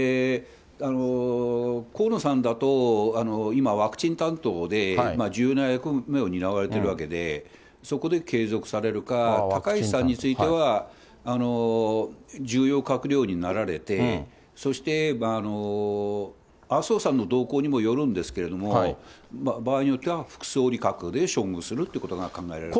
河野さんだと、今、ワクチン担当で重要な役目を担われているわけで、そこで継続されるか、高市さんについては、重要閣僚になられて、そして麻生さんの動向にもよるんですけれども、場合によっては副総理格で処遇するということが考えられる。